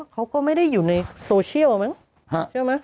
เขาก็ไม่ได้อยู่ในโซเชียลมั้งใช่ไหม